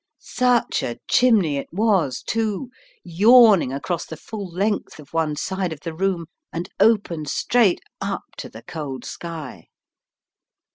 Such a chimney it was, too, yawning across the full length of one side of the room, and open straight up to the cold sky.